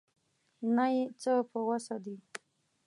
نه یې څه په وسه دي.